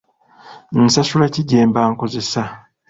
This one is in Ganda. Nsasula ki gyemba nkozesa?